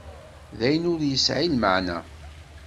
d ayen ur yesεi lmeεna.